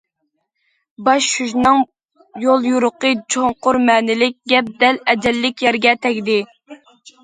باش شۇجىنىڭ يوليورۇقى چوڭقۇر مەنىلىك، گەپ دەل ئەجەللىك يەرگە تەگدى.